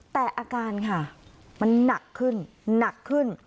แต่อาการค่ะมันหนักขึ้นหนักขึ้น